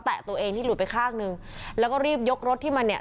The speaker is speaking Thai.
ตัวเองที่หลุดไปข้างหนึ่งแล้วก็รีบยกรถที่มันเนี่ย